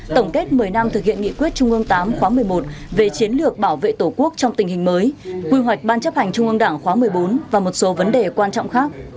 tổng kết một mươi năm thực hiện nghị quyết trung ương viii khóa một mươi một về chiến lược bảo vệ tổ quốc trong tình hình mới quy hoạch ban chấp hành trung ương đảng khóa một mươi bốn và một số vấn đề quan trọng khác